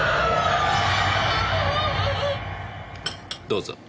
どうぞ。